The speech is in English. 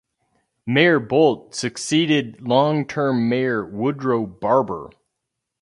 Mayor Bolt succeeded long-term mayor Woodrow Barber.